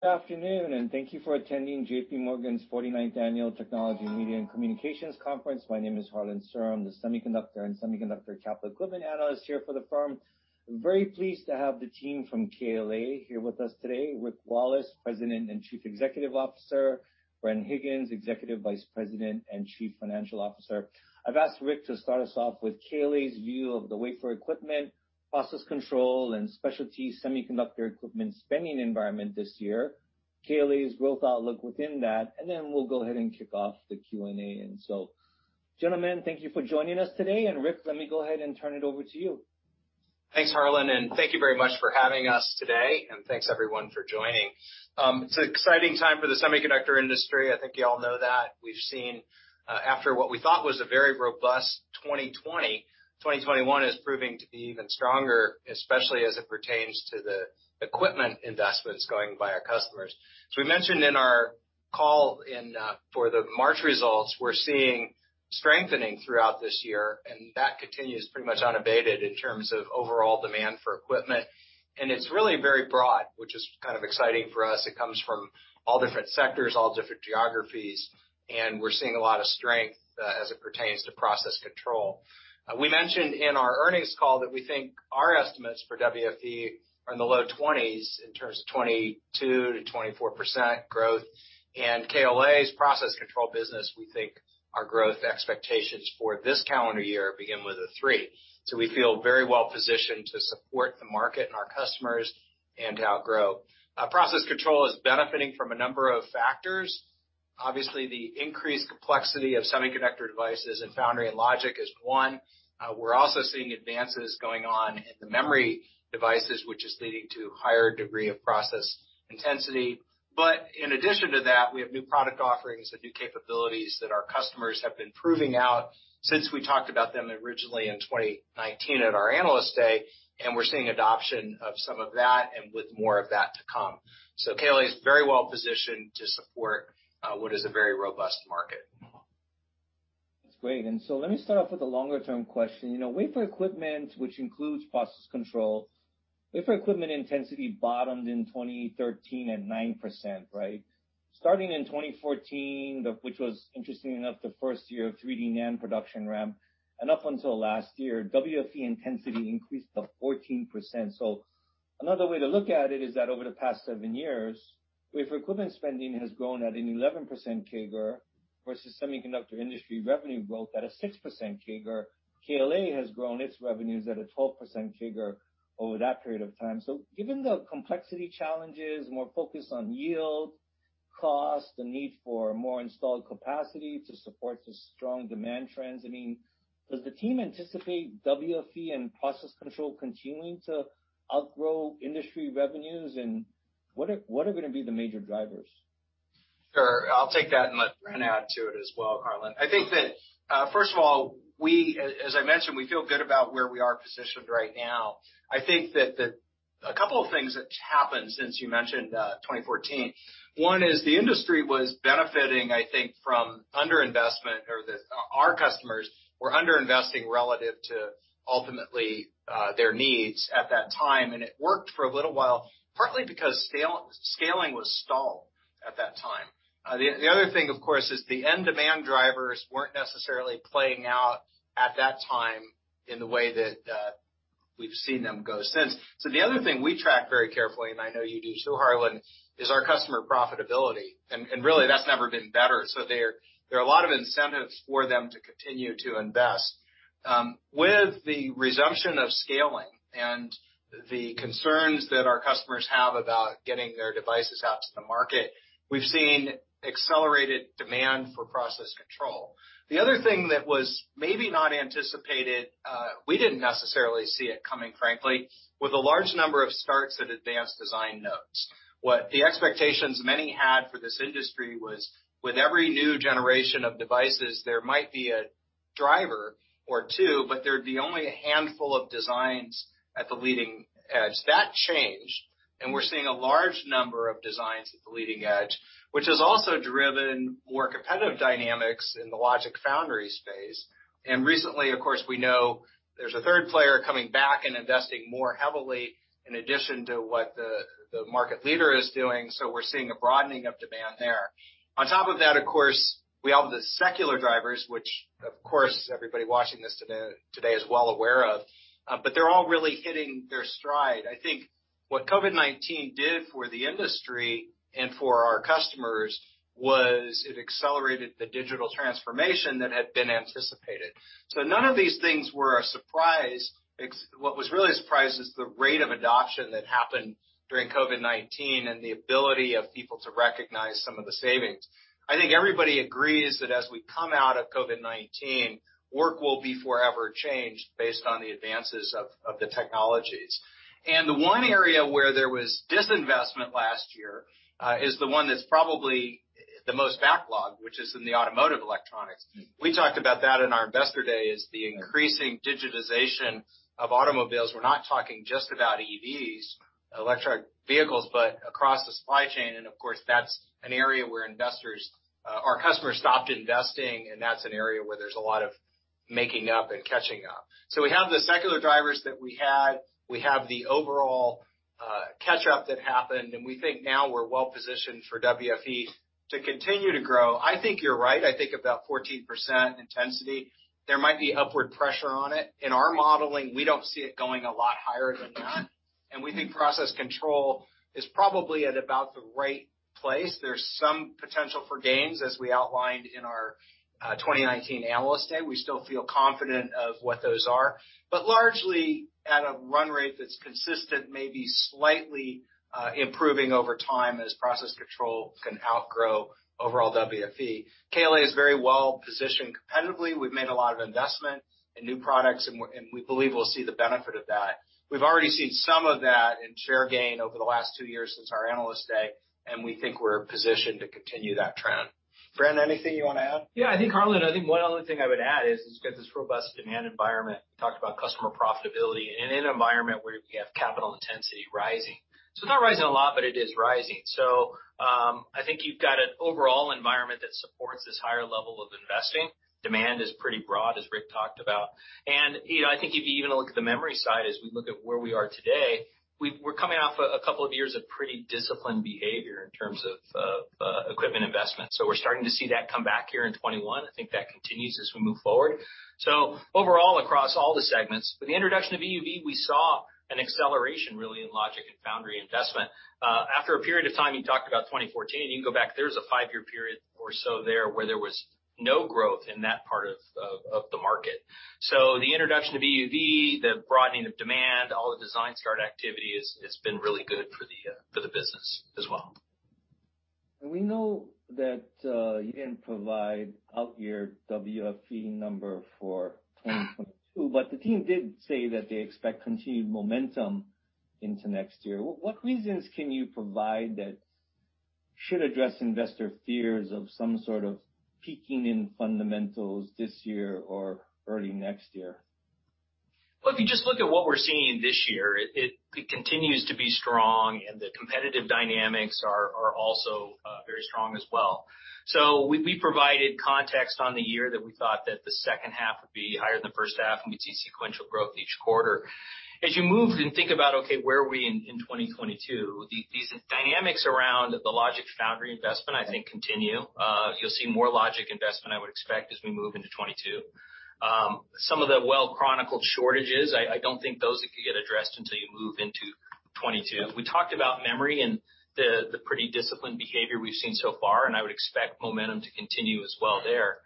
Good afternoon, thank you for attending JPMorgan's 49th Annual Technology, Media, and Communications Conference. My name is Harlan Sur, I'm the Semiconductor and Semiconductor Capital Equipment Analyst here for the firm. I'm very pleased to have the team from KLA here with us today. Rick Wallace, President and Chief Executive Officer, Bren Higgins, Executive Vice President and Chief Financial Officer. I've asked Rick to start us off with KLA's view of the wafer equipment, process control, and specialty semiconductor equipment spending environment this year, KLA's growth outlook within that, then we'll go ahead and kick off the Q&A. Gentlemen, thank you for joining us today, and Rick, let me go ahead and turn it over to you. Thanks, Harlan, and thank you very much for having us today, and thanks everyone for joining. It's an exciting time for the semiconductor industry. I think you all know that. We've seen, after what we thought was a very robust 2020, 2021 is proving to be even stronger, especially as it pertains to the equipment investments going by our customers. We mentioned in our call for the March results, we're seeing strengthening throughout this year, and that continues pretty much unabated in terms of overall demand for equipment. It's really very broad, which is kind of exciting for us. It comes from all different sectors, all different geographies, and we're seeing a lot of strength as it pertains to process control. We mentioned in our earnings call that we think our estimates for WFE are in the low-20s, in terms of 22%-24% growth. KLA's process control business, we think our growth expectations for this calendar year begin with a three. We feel very well positioned to support the market and our customers and outgrow. Process control is benefiting from a number of factors. Obviously, the increased complexity of semiconductor devices and foundry logic is one. We're also seeing advances going on in the memory devices, which is leading to a higher degree of process intensity. In addition to that, we have new product offerings and new capabilities that our customers have been proving out since we talked about them originally in 2019 at our Analyst Day, and we're seeing adoption of some of that and with more of that to come. KLA is very well positioned to support what is a very robust market. That's great. Let me start off with a longer-term question. Wafer equipment, which includes process control. Wafer equipment intensity bottomed in 2013 at 9%, right? Starting in 2014, which was interestingly enough, the first year of 3D NAND production ramp, and up until last year, WFE intensity increased to 14%. Another way to look at it is that over the past seven years, wafer equipment spending has grown at an 11% CAGR versus semiconductor industry revenue growth at a 6% CAGR. KLA has grown its revenues at a 12% CAGR over that period of time. Given the complexity challenges, more focus on yield, cost, the need for more installed capacity to support the strong demand trends I mean, does the team anticipate WFE and process control continuing to outgrow industry revenues, and what are going to be the major drivers? Sure. I'll take that and let Bren add to it as well, Harlan. I think that, first of all, as I mentioned, we feel good about where we are positioned right now. I think that a couple of things have happened since you mentioned 2014. One is the industry was benefiting, I think, from under-investment, or our customers were under-investing relative to ultimately their needs at that time, and it worked for a little while, partly because scaling was stalled at that time. The other thing, of course, is the end demand drivers weren't necessarily playing out at that time in the way that we've seen them go since. The other thing we track very carefully, and I know you do too, Harlan, is our customer profitability, and really that's never been better. There are a lot of incentives for them to continue to invest. With the resumption of scaling and the concerns that our customers have about getting their devices out to the market, we've seen accelerated demand for process control. The other thing that was maybe not anticipated, we didn't necessarily see it coming, frankly, with a large number of starts at advanced design nodes. What the expectations many had for this industry was with every new generation of devices, there might be a driver or two, but there'd be only a handful of designs at the leading edge. That changed, and we're seeing a large number of designs at the leading edge, which has also driven more competitive dynamics in the logic foundry space. Recently, of course, we know there's a third player coming back and investing more heavily in addition to what the market leader is doing. We're seeing a broadening of demand there. On top of that, of course, we have the secular drivers, which of course, everybody watching this today is well aware of, but they're all really hitting their stride. I think what COVID-19 did for the industry and for our customers was it accelerated the digital transformation that had been anticipated. None of these things were a surprise. What was really a surprise is the rate of adoption that happened during COVID-19 and the ability of people to recognize some of the savings. I think everybody agrees that as we come out of COVID-19, work will be forever changed based on the advances of the technologies. The one area where there was disinvestment last year is the one that's probably the most backlogged, which is in the automotive electronics. We talked about that in our Investor Day as the increasing digitization of automobiles. We're not talking just about EVs, electric vehicles, but across the supply chain. Of course, that's an area where our customers stopped investing, and that's an area where there's a lot of making up and catching up. We have the secular drivers that we had. We have the overall catch-up that happened, and we think now we're well-positioned for WFE to continue to grow. I think you're right. I think about 14% intensity. There might be upward pressure on it. In our modeling, we don't see it going a lot higher than that, and we think process control is probably at about the right place. There's some potential for gains, as we outlined in our 2019 Analyst Day. We still feel confident of what those are, but largely at a run rate that's consistent, maybe slightly improving over time as process control can outgrow overall WFE. KLA is very well-positioned competitively. We've made a lot of investment in new products, and we believe we'll see the benefit of that. We've already seen some of that in share gain over the last two years since our Analyst Day, and we think we're positioned to continue that trend. Bren, anything you want to add? Yeah, I think, Harlan, one other thing I would add is we've got this robust demand environment, talk about customer profitability in an environment where we have capital intensity rising. Not rising a lot, but it is rising. I think you've got an overall environment that supports this higher level of investing. Demand is pretty broad, as Rick talked about. I think if you even look at the memory side, as we look at where we are today, we're coming off a couple of years of pretty disciplined behavior in terms of equipment investment. We're starting to see that come back here in 2021. I think that continues as we move forward. Overall, across all the segments. With the introduction of EUV, we saw an acceleration, really, in logic and foundry investment. After a period of time, you talk about 2014, you go back, there's a five-year period or so there where there was no growth in that part of the market. The introduction of EUV, the broadening of demand, all the design start activity has been really good for the business as well. We know that you didn't provide outyear WFE number for 2022, but the team did say that they expect continued momentum into next year. What reasons can you provide that should address investor fears of some sort of peaking in fundamentals this year or early next year? Well, if you just look at what we're seeing this year, it continues to be strong and the competitive dynamics are also very strong as well. We provided context on the year that we thought that the second half would be higher than the first half, and we'd see sequential growth each quarter. As you move and think about, okay, where are we in 2022? These dynamics around the logic foundry investment, I think, continue. You'll see more logic investment, I would expect, as we move into 2022. Some of the well-chronicled shortages, I don't think those could get addressed until you move into 2022. We talked about memory and the pretty disciplined behavior we've seen so far, and I would expect momentum to continue as well there.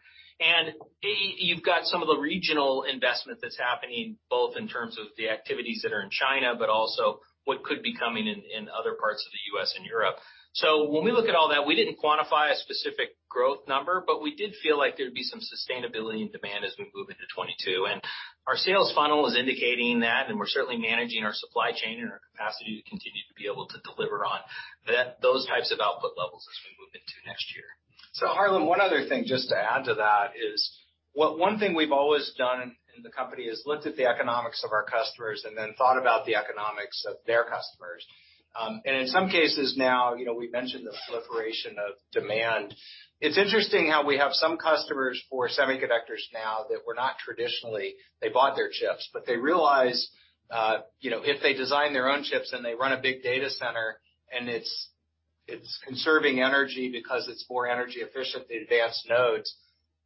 You've got some of the regional investment that's happening, both in terms of the activities that are in China, but also what could be coming in other parts of the U.S. and Europe. When we look at all that, we didn't quantify a specific growth number, but we did feel like there'd be some sustainability in demand as we move into 2022. Our sales funnel is indicating that, and we're certainly managing our supply chain and our capacity to continue to be able to deliver on those types of output levels as we move into next year. Harlan, one other thing, just to add to that is, one thing we've always done in the company is looked at the economics of our customers and then thought about the economics of their customers. In some cases now, we mentioned the proliferation of demand. It's interesting how we have some customers for semiconductors now that were not traditionally, they bought their chips, but they realize, if they design their own chips and they run a big data center and it's conserving energy because it's more energy efficient, the advanced nodes,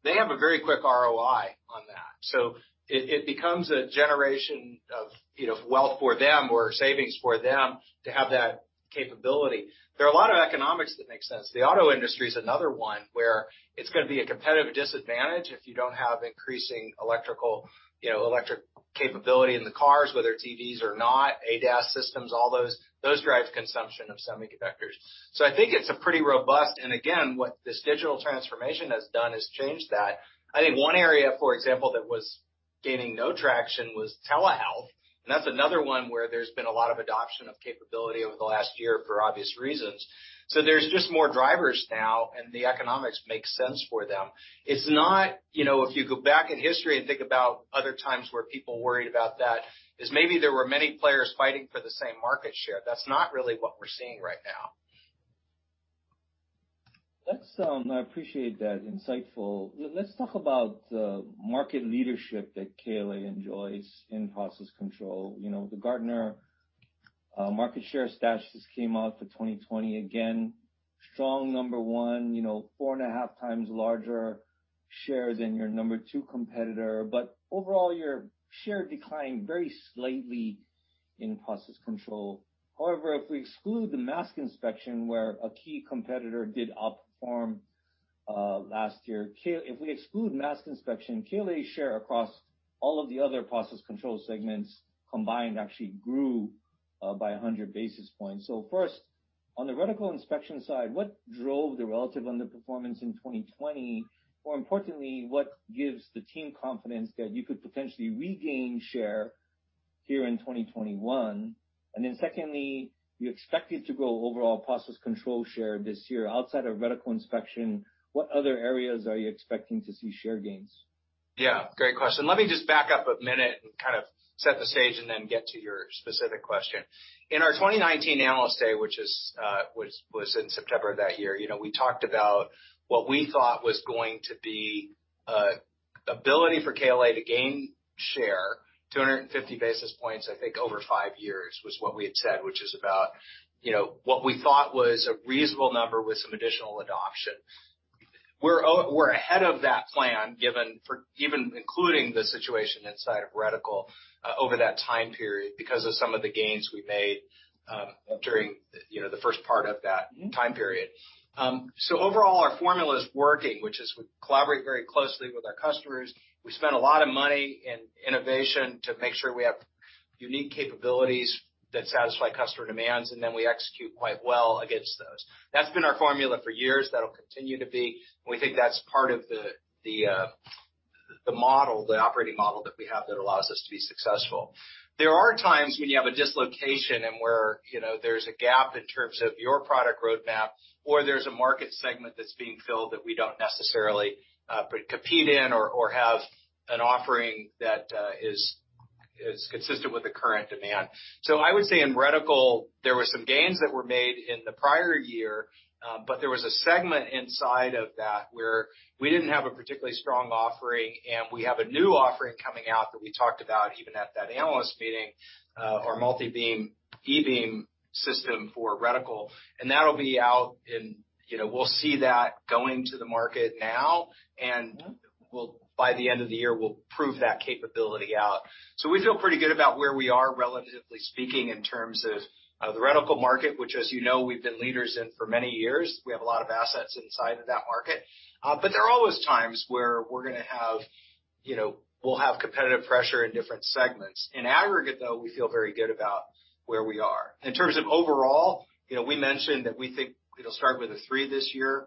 they have a very quick ROI on that. It becomes a generation of wealth for them or savings for them to have that capability. There are a lot of economics that make sense. The auto industry is another one where it's going to be a competitive disadvantage if you don't have increasing electrical capability in the cars, whether EVs or not, ADAS systems, all those drive consumption of semiconductors. I think it's a pretty robust, and again, what this digital transformation has done is change that. I think one area, for example, that was gaining no traction was telehealth, and that's another one where there's been a lot of adoption of capability over the last year for obvious reasons. There's just more drivers now, and the economics make sense for them. If you go back in history and think about other times where people worried about that is maybe there were many players fighting for the same market share. That's not really what we're seeing right now. I appreciate that. Insightful. Let's talk about the market leadership that KLA enjoys in process control. The Gartner market share statistics came out for 2020. Strong number one, 4.5x larger share than your number two competitor. Overall, your share declined very slightly in process control. However, if we exclude the mask inspection where a key competitor did outperform last year, if we exclude mask inspection, KLA's share across all of the other process control segments combined actually grew by 100 basis points. First, on the reticle inspection side, what drove the relative underperformance in 2020? More importantly, what gives the team confidence that you could potentially regain share here in 2021? Secondly, you expect it to grow overall process control share this year outside of reticle inspection. What other areas are you expecting to see share gains? Yeah, great question. Let me just back up a minute and kind of set the stage and then get to your specific question. In our 2019 Analyst Day, which was in September of that year, we talked about what we thought was going to be ability for KLA to gain share, 250 basis points, I think, over five years was what we had said, which is about what we thought was a reasonable number with some additional adoption. We're ahead of that plan, even including the situation inside reticle over that time period because of some of the gains we made during the first part of that time period. Overall, our formula is working, which is we collaborate very closely with our customers. We spend a lot of money in innovation to make sure we have unique capabilities that satisfy customer demands, then we execute quite well against those. That's been our formula for years. That'll continue to be. We think that's part of the operating model that we have that allows us to be successful. There are times when you have a dislocation and where there's a gap in terms of your product roadmap, or there's a market segment that's being filled that we don't necessarily compete in or have an offering that is consistent with the current demand. I would say in reticle, there were some gains that were made in the prior year, but there was a segment inside of that where we didn't have a particularly strong offering, and we have a new offering coming out that we talked about even at that analyst meeting, our multi-beam, e-beam system for reticle. That'll be out and we'll see that going to the market now, and by the end of the year, we'll prove that capability out. We feel pretty good about where we are, relatively speaking, in terms of the reticle market, which as you know, we've been leaders in for many years. We have a lot of assets inside of that market. There are always times where we'll have competitive pressure in different segments. In aggregate, though, we feel very good about where we are. In terms of overall, we mentioned that we think we'll start with a three this year.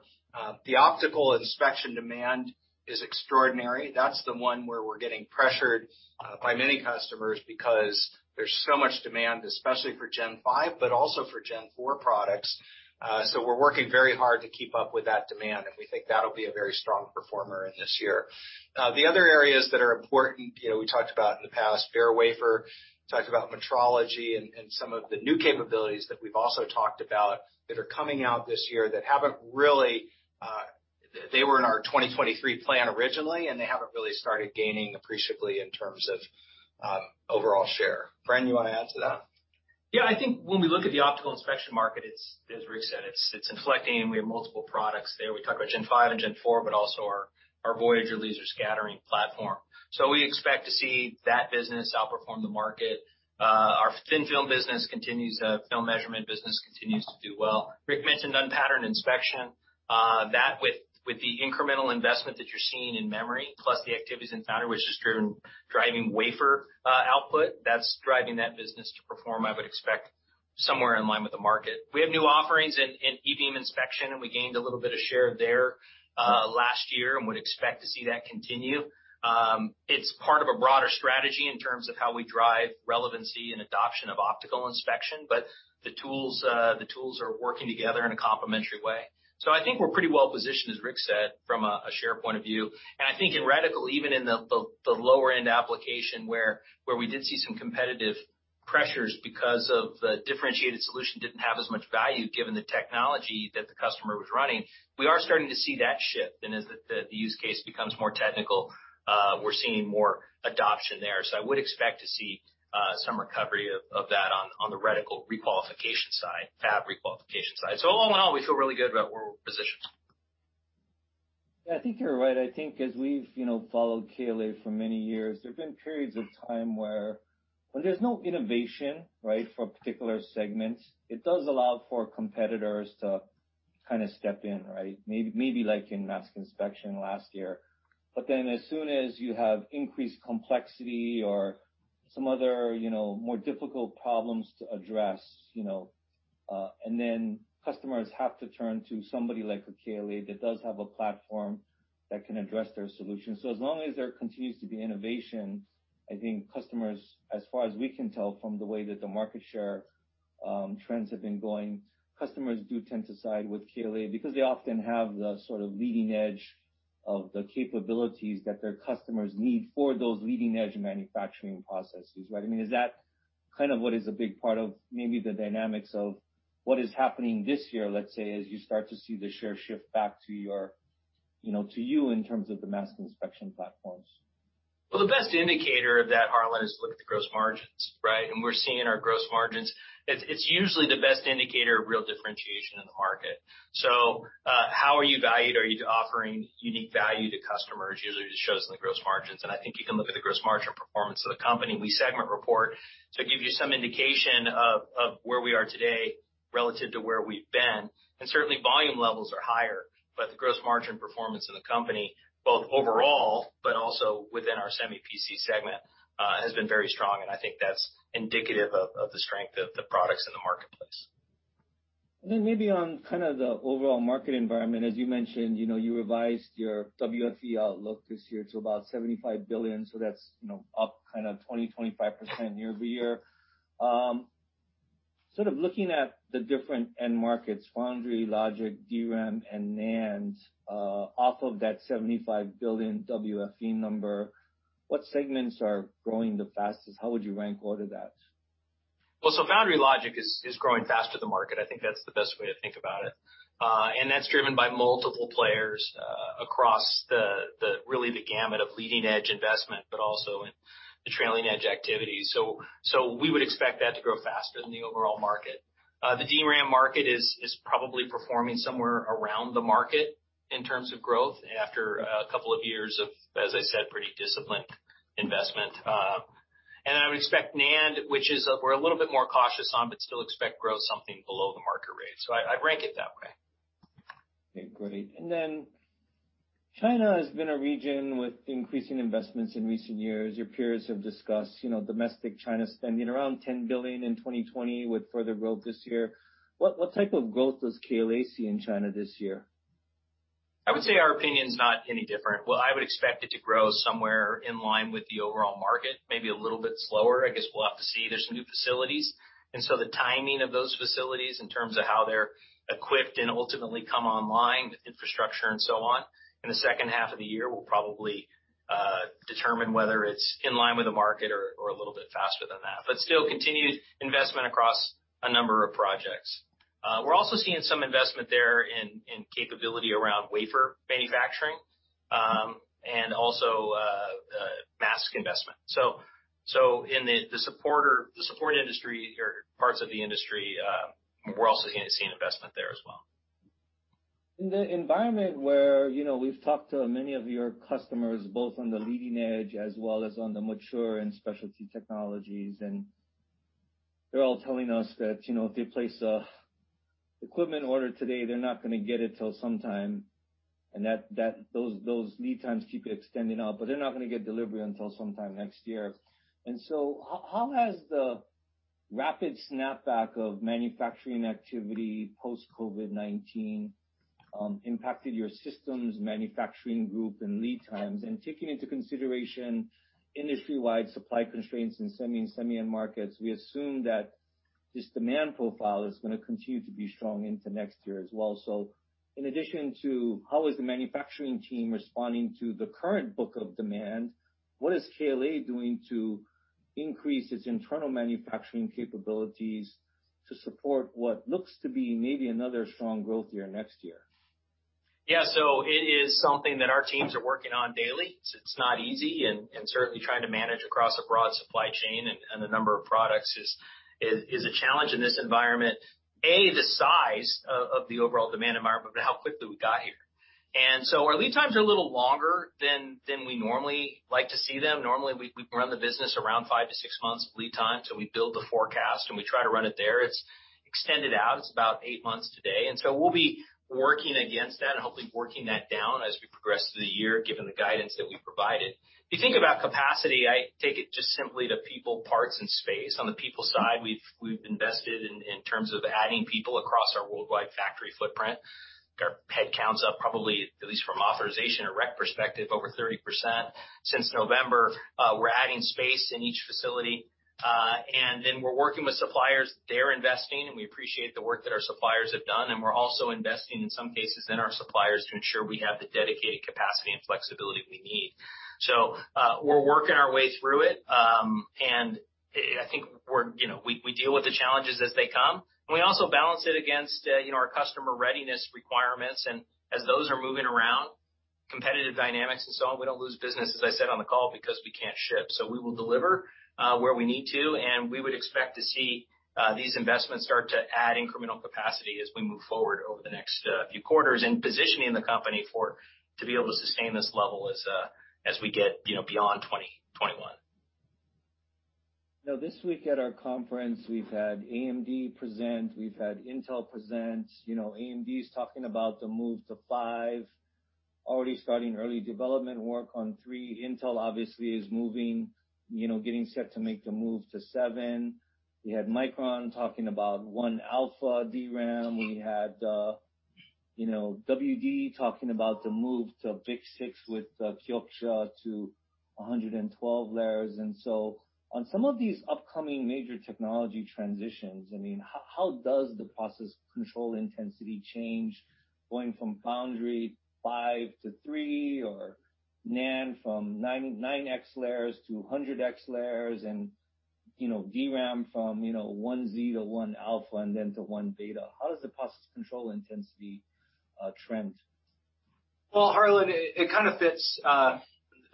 The optical inspection demand is extraordinary. That's the one where we're getting pressured by many customers because there's so much demand, especially for Gen5, but also for Gen4 products. We're working very hard to keep up with that demand, and we think that'll be a very strong performer in this year. The other areas that are important, we talked about in the past, bare wafer, talked about metrology and some of the new capabilities that we've also talked about that are coming out this year. They were in our 2023 plan originally, and they haven't really started gaining appreciably in terms of overall share. Bren, you want to add to that? Yeah, I think when we look at the optical inspection market, as Rick said, it's inflecting, and we have multiple products there. We cover Gen5 and Gen4, but also our Voyager laser scattering platform. We expect to see that business outperform the market. Our thin-film business continues, film measurement business continues to do well. Rick mentioned unpatterned inspection. That with the incremental investment that you're seeing in memory, plus the activities in foundry, which is driving wafer output, that's driving that business to perform, I would expect, somewhere in line with the market. We have new offerings in e-beam inspection, and we gained a little bit of share there last year and would expect to see that continue. It's part of a broader strategy in terms of how we drive relevancy and adoption of optical inspection, but the tools are working together in a complementary way. I think we're pretty well positioned, as Rick said, from a share point of view. I think in reticle, even in the lower-end application where we did see some competitive pressures because of the differentiated solution didn't have as much value given the technology that the customer was running, we are starting to see that shift. As the use case becomes more technical, we're seeing more adoption there. I would expect to see some recovery of that on the reticle requalification side, fab requalification side. Overall, we feel really good about where we're positioned. I think you're right. I think as we've followed KLA for many years, there have been periods of time where there's no innovation for particular segments. It does allow for competitors to kind of step in, right? Maybe like in mask inspection last year. As soon as you have increased complexity or some other more difficult problems to address, customers have to turn to somebody like a KLA that does have a platform that can address their solution. As long as there continues to be innovation, I think customers, as far as we can tell from the way that the market share trends have been going, customers do tend to side with KLA because they often have the sort of leading-edge of the capabilities that their customers need for those leading-edge manufacturing processes, right? Is that kind of what is a big part of maybe the dynamics of what is happening this year, let's say, as you start to see the share shift back to you in terms of the mask inspection platforms? The best indicator of that, Harlan, is look at the gross margins, right? We're seeing in our gross margins, it's usually the best indicator of real differentiation in the market. How are you valued? Are you offering unique value to customers? Usually, it shows in the gross margins, and I think you can look at the gross margin performance of the company. We segment report to give you some indication of where we are today relative to where we've been. Certainly, volume levels are higher, but the gross margin performance of the company, both overall, but also within our Semi PC segment, has been very strong, and I think that's indicative of the strength of the products in the marketplace. Maybe on kind of the overall market environment, as you mentioned, you revised your WFE outlook this year to about $75 billion, so that's up kind of 20%-25% year-over-year. Sort of looking at the different end markets, foundry/logic, DRAM, and NAND, off of that $75 billion WFE number, what segments are growing the fastest? How would you rank order that? Foundry/logic is growing faster than the market. I think that's the best way to think about it. That's driven by multiple players across the gamut of leading-edge investment, but also in the trailing-edge activity. We would expect that to grow faster than the overall market. The DRAM market is probably performing somewhere around the market in terms of growth after a couple of years of, as I said, pretty disciplined investment. I would expect NAND, which we're a little bit more cautious on, but still expect growth something below the market rate. I'd rank it that way. Okay, great. China has been a region with increasing investments in recent years. Your peers have discussed domestic China spending around $10 billion in 2020 with further growth this year. What type of growth does KLA see in China this year? I would say our opinion is not any different. Well, I would expect it to grow somewhere in line with the overall market, maybe a little bit slower. I guess we'll have to see. There's new facilities, and so the timing of those facilities in terms of how they're equipped and ultimately come online, infrastructure and so on, in the second half of the year will probably determine whether it's in line with the market or a little bit faster than that. Still continued investment across a number of projects. We're also seeing some investment there in capability around wafer manufacturing, and also mask investment. In the support industry or parts of the industry, we're also going to see an investment there as well. In the environment where we've talked to many of your customers, both on the leading edge as well as on the mature and specialty technologies, they're all telling us that if they place an equipment order today, they're not going to get it until sometime, and those lead times keep extending out, but they're not going to get delivery until sometime next year. How has the rapid snapback of manufacturing activity post-COVID-19 impacted your systems manufacturing group and lead times? Taking into consideration industry-wide supply constraints in semi and markets, we assume that this demand profile is going to continue to be strong into next year as well. In addition to how is the manufacturing team responding to the current book of demand, what is KLA doing to increase its internal manufacturing capabilities to support what looks to be maybe another strong growth year next year? Yeah. It is something that our teams are working on daily. It's not easy, and certainly trying to manage across a broad supply chain and the number of products is a challenge in this environment. The size of the overall demand environment, but how quickly we got here. Our lead times are a little longer than we normally like to see them. Normally, we run the business around five to six months lead time till we build the forecast, and we try to run it there. It's extended out. It's about eight months today. We'll be working against that, hopefully working that down as we progress through the year, given the guidance that we provided. If you think about capacity, I take it just simply to people, parts, and space. On the people side, we've invested in terms of adding people across our worldwide factory footprint. Our headcount's up probably, at least from authorization or req perspective, over 30% since November. We're adding space in each facility. We're working with suppliers. They're investing, and we appreciate the work that our suppliers have done, and we're also investing in some cases in our suppliers to ensure we have the dedicated capacity and flexibility we need. We're working our way through it, and I think we deal with the challenges as they come. We also balance it against our customer readiness requirements. As those are moving around, competitive dynamics and so on, we don't lose business, as I said on the call, because we can't ship. We will deliver where we need to, and we would expect to see these investments start to add incremental capacity as we move forward over the next few quarters and positioning the company to be able to sustain this level as we get beyond 2021. Now, this week at our conference, we've had AMD present, we've had Intel present. AMD's talking about the move to 5 nm, already starting early development work on 3 nm. Intel obviously is moving, getting set to make the move to 7 nm. We had Micron talking about 1-alpha DRAM. We had WD talking about the move to BiCS FLASH with Kioxia to 112 layers. On some of these upcoming major technology transitions, how does the process control intensity change going from foundry 5 nm to 3 nm, or NAND from 9X layers to 100X layers, and DRAM from 1Z to 1-alpha and then to 1-beta? How does the process control intensity trend? Harlan,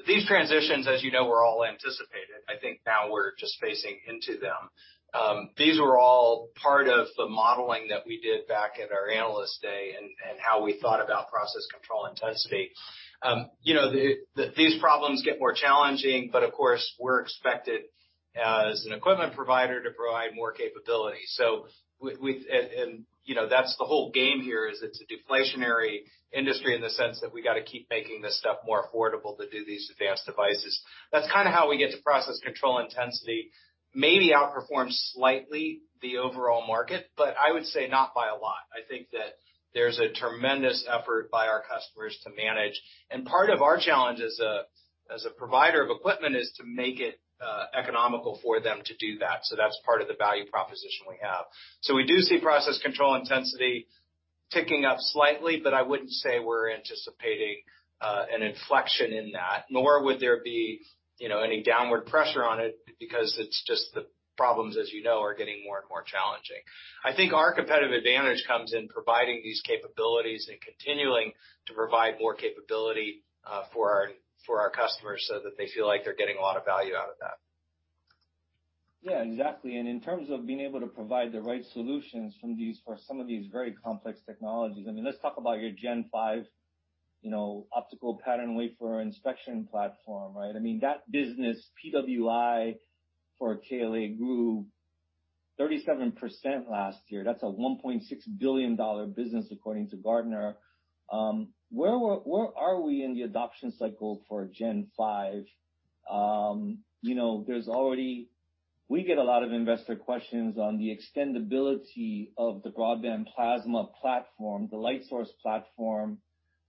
these transitions, as you know, were all anticipated. I think now we're just phasing into them. These were all part of the modeling that we did back at our Analyst Day and how we thought about process control intensity. These problems get more challenging, but of course, we're expected as an equipment provider to provide more capability. That's the whole game here is it's a deflationary industry in the sense that we got to keep making this stuff more affordable to do these advanced devices. That's kind of how we get to process control intensity. Maybe outperform slightly the overall market, but I would say not by a lot. I think that there's a tremendous effort by our customers to manage. And part of our challenge as a provider of equipment is to make it economical for them to do that. That's part of the value proposition we have. We do see process control intensity Ticking up slightly, I wouldn't say we're anticipating an inflection in that, nor would there be any downward pressure on it because it's just the problems, as you know, are getting more and more challenging. I think our competitive advantage comes in providing these capabilities and continuing to provide more capability for our customers so that they feel like they're getting a lot of value out of that. Yeah, exactly. In terms of being able to provide the right solutions for some of these very complex technologies, let's talk about your Gen5 optical patterned wafer inspection platform, right? That business, PWI for KLA grew 37% last year. That's a $1.6 billion business, according to Gartner. Where are we in the adoption cycle for Gen5? We get a lot of investor questions on the extendibility of the broadband plasma platform, the light source platform,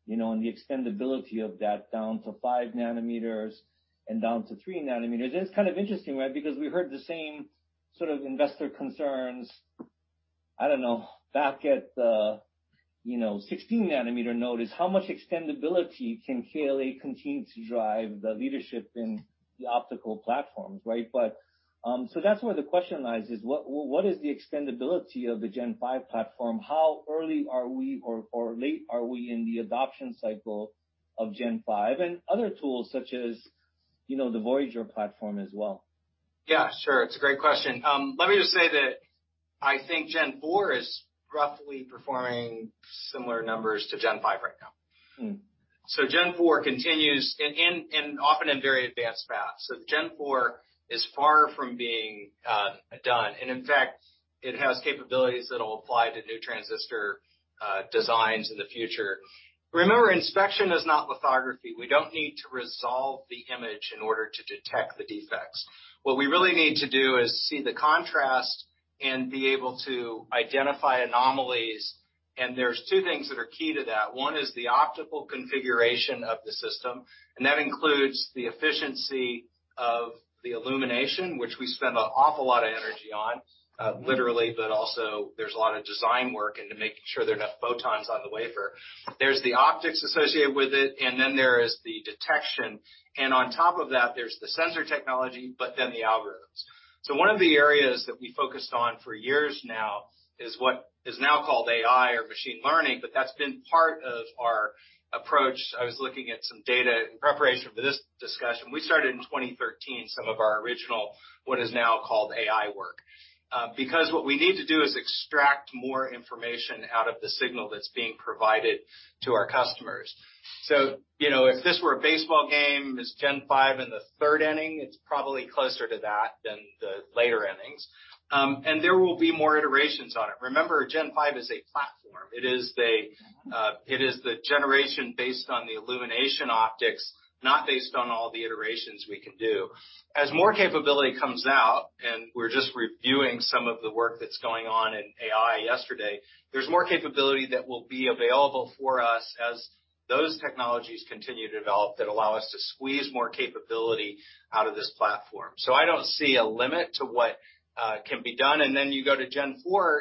and the extendibility of that down to 5 nm and down to 3 nm. It's kind of interesting, right? Because we heard the same sort of investor concerns, I don't know, back at the 16 nm node is how much extendibility can KLA continue to drive the leadership in the optical platforms, right? That's where the question lies is what is the extendibility of the Gen5 platform? How early are we or late are we in the adoption cycle of Gen5 and other tools such as the Voyager platform as well? Yeah, sure. It's a great question. Let me just say that I think Gen4 is roughly performing similar numbers to Gen5 right now. Gen4 continues and often in very advanced fab. Gen4 is far from being done. In fact, it has capabilities that'll apply to new transistor designs in the future. Remember, inspection is not lithography. We don't need to resolve the image in order to detect the defects. What we really need to do is see the contrast and be able to identify anomalies. There are two things that are key to that. One is the optical configuration of the system. That includes the efficiency of the illumination, which we spend an awful lot of energy on, literally. Also, there is a lot of design work into making sure there are enough photons on the wafer. There's the optics associated with it, then there is the detection. On top of that, there's the sensor technology, then the algorithms. One of the areas that we focused on for years now is what is now called AI or machine learning, that's been part of our approach. I was looking at some data in preparation for this discussion. We started in 2013, some of our original, what is now called AI work. What we need to do is extract more information out of the signal that's being provided to our customers. If this were a baseball game, is Gen5 in the third inning? It's probably closer to that than the later innings. There will be more iterations on it. Remember, Gen5 is a platform. It is the generation based on the illumination optics, not based on all the iterations we can do. As more capability comes out, and we're just reviewing some of the work that's going on in AI yesterday, there's more capability that will be available for us as those technologies continue to develop that allow us to squeeze more capability out of this platform. I don't see a limit to what can be done. You go to Gen4,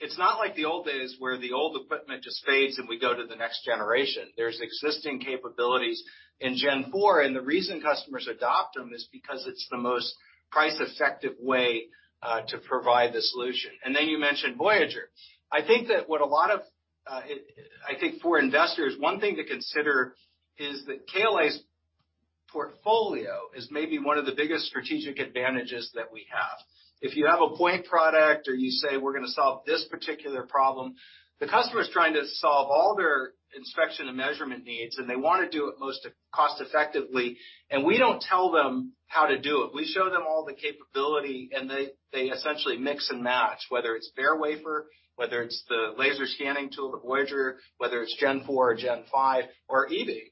it's not like the old days where the old equipment just fades, and we go to the next generation. There's existing capabilities in Gen4, and the reason customers adopt them is because it's the most price-effective way to provide the solution. You mentioned Voyager. I think for investors, one thing to consider is that KLA's portfolio is maybe one of the biggest strategic advantages that we have. If you have a point product or you say we're going to solve this particular problem, the customer's trying to solve all their inspection and measurement needs, and they want to do it most cost effectively, and we don't tell them how to do it. We show them all the capability, and they essentially mix and match, whether it's bare wafer, whether it's the laser scanning tool, the Voyager, whether it's Gen4 or Gen5 or e-beam,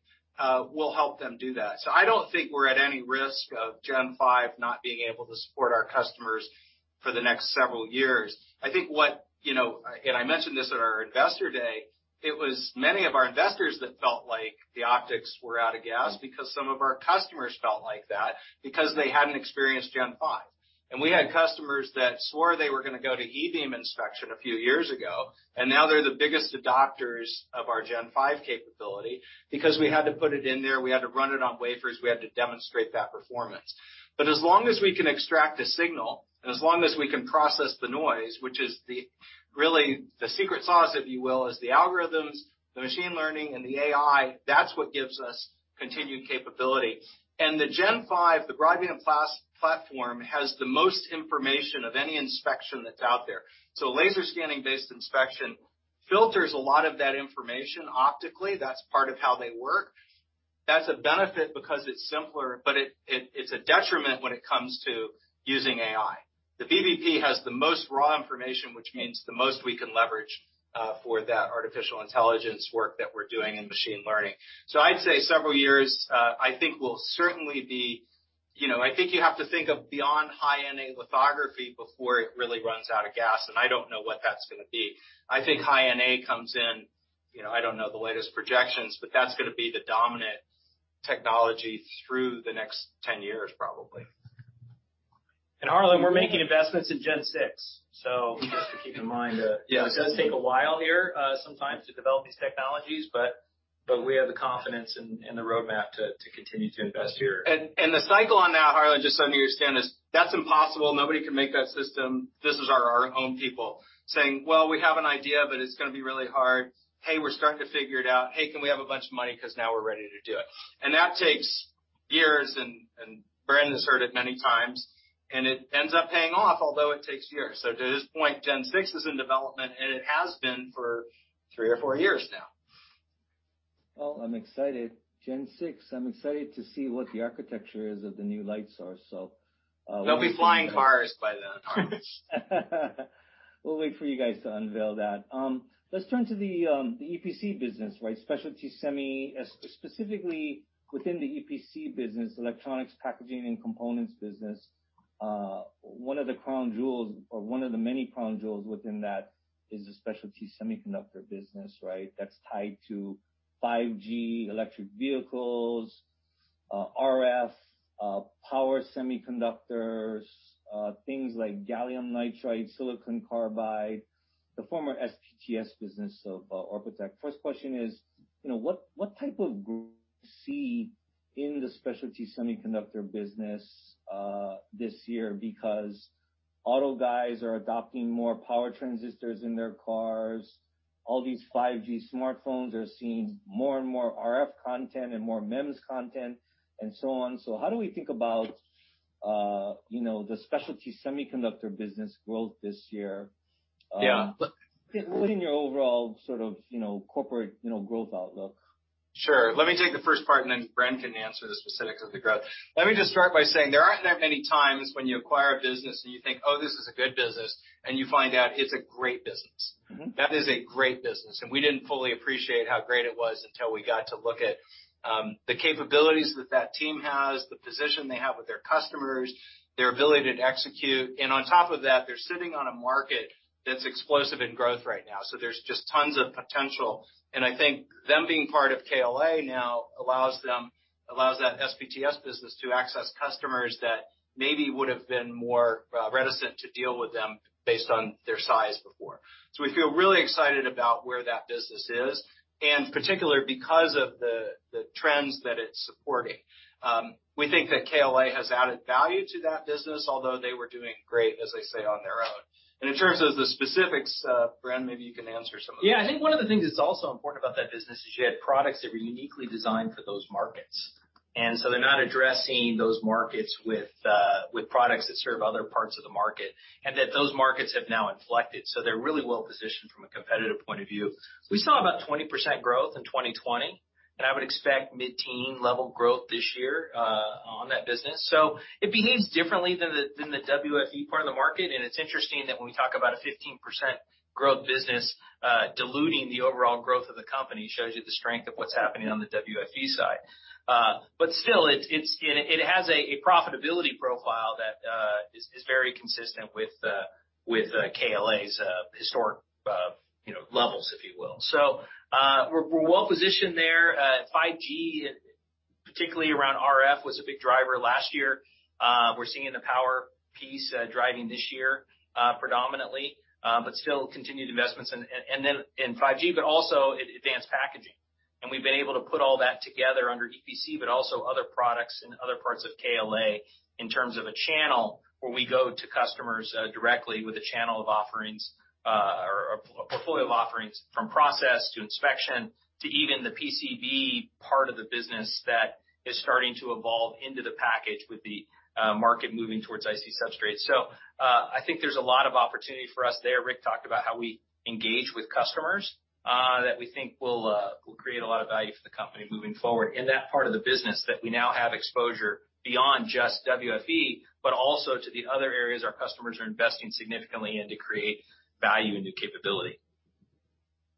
we'll help them do that. I don't think we're at any risk of Gen5 not being able to support our customers for the next several years. I mentioned this at our Investor Day, it was many of our investors that felt like the optics were out of gas because some of our customers felt like that because they hadn't experienced Gen5. We had customers that swore they were going to go to e-beam inspection a few years ago, and now they're the biggest adopters of our Gen5 capability because we had to put it in there, we had to run it on wafers, we had to demonstrate that performance. As long as we can extract a signal and as long as we can process the noise, which is really the secret sauce, if you will, is the algorithms, the machine learning, and the AI, that's what gives us continued capability. The Gen5, the broadband platform, has the most information of any inspection that's out there. Laser scanning-based inspection filters a lot of that information optically. That's part of how they work. That's a benefit because it's simpler, but it's a detriment when it comes to using AI. The BBP has the most raw information, which means the most we can leverage for that artificial intelligence work that we're doing in machine learning. I'd say several years, I think you have to think of beyond High NA lithography before it really runs out of gas, and I don't know what that's going to be. I think High NA comes in, I don't know the latest projections, but that's going to be the dominant technology through the next 10 years probably. Harlan, we're making investments in Gen 6. We have to keep in mind that, yeah, it does take a while here sometimes to develop these technologies, but we have the confidence and the roadmap to continue to invest here. The cycle on that, Harlan, just so you understand, is that's impossible. Nobody can make that system. This is our own people saying, "Well, we have an idea, but it's going to be really hard. Hey, we're starting to figure it out. Hey, can we have a bunch of money because now we're ready to do it." That takes years, and Bren has heard it many times, and it ends up paying off, although it takes years. To this point, Gen6 is in development, and it has been for three or four years now. Well, I'm excited. Gen6, I'm excited to see what the architecture is of the new light source. There'll be flying cars by then, I promise. We'll wait for you guys to unveil that. Let's turn to the EPC business, right? Specialty semi, specifically within the EPC business, electronics packaging and components business, one of the crown jewels or one of the many crown jewels within that is the specialty semiconductor business, right? That's tied to 5G electric vehicles, RF, power semiconductors, things like gallium nitride, silicon carbide, the former SPTS business of Orbotech. First question is, what type of growth do you see in the specialty semiconductor business this year? Because auto guys are adopting more power transistors in their cars. All these 5G smartphones are seeing more and more RF content and more MEMS content and so on. How do we think about the specialty semiconductor business growth this year? Yeah Including your overall sort of corporate growth outlook? Sure. Let me take the first part, and then Bren can answer the specifics of the growth. Let me just start by saying there aren't that many times when you acquire a business and you think, "Oh, this is a good business," and you find out it's a great business. That is a great business, and we didn't fully appreciate how great it was until we got to look at the capabilities that that team has, the position they have with their customers, their ability to execute. On top of that, they're sitting on a market that's explosive in growth right now. There's just tons of potential, and I think them being part of KLA now allows that SPTS business to access customers that maybe would have been more reticent to deal with them based on their size before. We feel really excited about where that business is, and particularly because of the trends that it's supporting. We think that KLA has added value to that business, although they were doing great, as I say, on their own. In terms of the specifics, Bren, maybe you can answer some of that. I think one of the things that's also important about that business is you have products that are uniquely designed for those markets. They're not addressing those markets with products that serve other parts of the market, and that those markets have now inflected. They're really well-positioned from a competitive point of view. We saw about 20% growth in 2020, and I would expect mid-teen level growth this year on that business. It behaves differently than the WFE part of the market, and it's interesting that when we talk about 15% growth business diluting the overall growth of the company shows you the strength of what's happening on the WFE side. Still, it has a profitability profile that is very consistent with KLA's historic levels, if you will. We're well-positioned there. 5G, particularly around RF, was a big driver last year. We're seeing the power piece driving this year predominantly, but still continued investments in 5G, but also in advanced packaging. We've been able to put all that together under EPC, but also other products in other parts of KLA in terms of a channel where we go to customers directly with a channel of offerings or a portfolio of offerings from process to inspection to even the PCB part of the business that is starting to evolve into the package with the market moving towards IC substrates. I think there's a lot of opportunity for us there. Rick talked about how we engage with customers that we think will create a lot of value for the company moving forward in that part of the business that we now have exposure beyond just WFE, but also to the other areas our customers are investing significantly in to create value in the capability.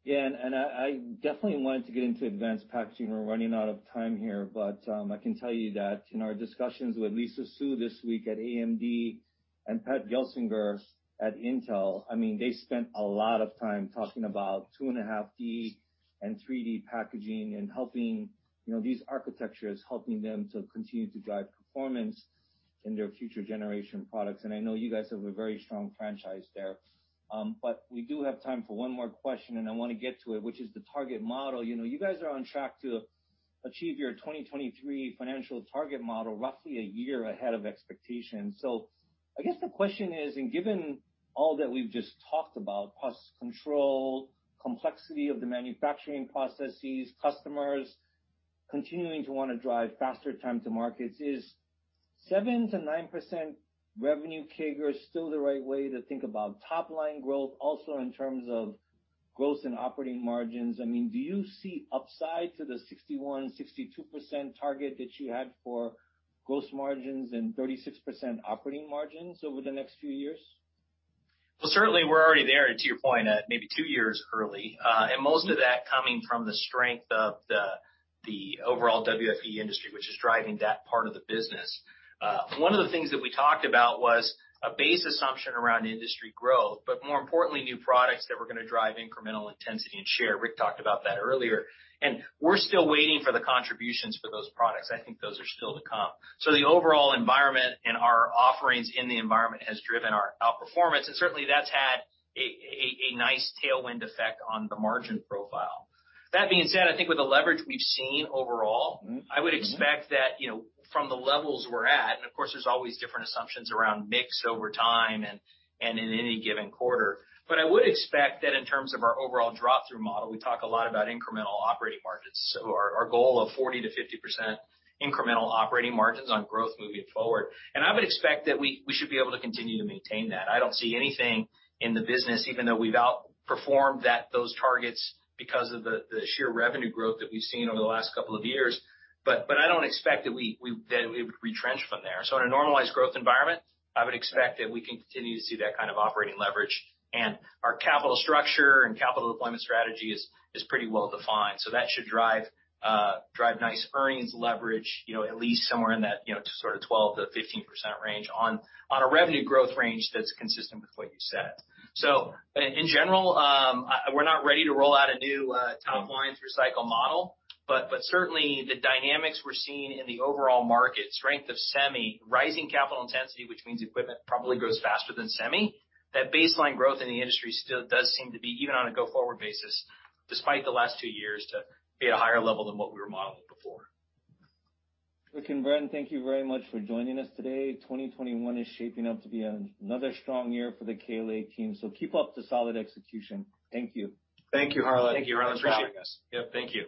Yeah, I definitely wanted to get into advanced packaging. We're running out of time here, I can tell you that in our discussions with Lisa Su this week at AMD and Pat Gelsinger at Intel, they spent a lot of time talking about 2.5D and 3D packaging and helping, you know, these architectures, helping them to continue to drive performance in their future generation products. I know you guys have a very strong franchise there. We do have time for one more question, I want to get to it, which is the target model. You guys are on track to achieve your 2023 financial target model roughly a year ahead of expectations. I guess the question is, given all that we've just talked about, cost control, complexity of the manufacturing processes, customers continuing to want to drive faster time to markets, is 7%-9% revenue CAGR still the right way to think about top-line growth, also in terms of gross and operating margins? Do you see upside to the 61%-62% target that you had for gross margins and 36% operating margins over the next few years? Well, certainly we're already there, to your point, maybe two years early. Most of that coming from the strength of the overall WFE industry, which is driving that part of the business. One of the things that we talked about was a base assumption around industry growth, but more importantly, new products that were going to drive incremental intensity and share. Rick talked about that earlier. We're still waiting for the contributions for those products. I think those are still to come. The overall environment and our offerings in the environment has driven our outperformance, and certainly that's had a nice tailwind effect on the margin profile. That being said, I think with the leverage we've seen overall- I would expect that from the levels we're at, and of course, there's always different assumptions around mix over time and in any given quarter. I would expect that in terms of our overall drop-through model, we talk a lot about incremental operating margins. Our goal of 40%-50% incremental operating margins on growth moving forward. I would expect that we should be able to continue to maintain that. I don't see anything in the business, even though we've outperformed those targets because of the sheer revenue growth that we've seen over the last couple of years. I don't expect that we would retrench from there. In a normalized growth environment, I would expect that we can continue to see that kind of operating leverage. Our capital structure and capital deployment strategy is pretty well-defined. That should drive nice earnings leverage, at least somewhere in that sort of 12%-15% range on a revenue growth range that's consistent with what you said. In general, we're not ready to roll out a new kind of earnings recycle model, but certainly the dynamics we're seeing in the overall market, strength of semi, rising capital intensity, which means equipment probably grows faster than semi, that baseline growth in the industry still does seem to be even on a go-forward basis, despite the last two years, to be a higher level than what we were modeling before. Rick and Bren, thank you very much for joining us today. 2021 is shaping up to be another strong year for the KLA team, so keep up the solid execution. Thank you. Thank you, Harlan. Thank you. I appreciate it. Yep, thank you.